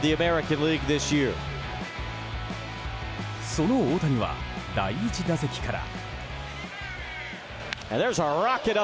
その大谷は第１打席から。